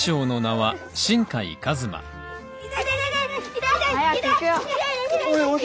はい！